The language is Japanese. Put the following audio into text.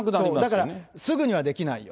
だからすぐにはできないよ。